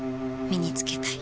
身につけたい。